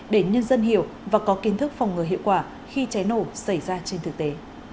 để nhân dân hiểu và có kiến thức phòng ngừa hiệu quả khi cháy nổ xảy ra trên thực tế